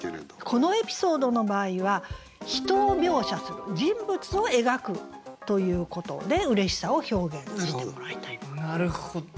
このエピソードの場合は人を描写する人物を描くということで嬉しさを表現してもらいたい。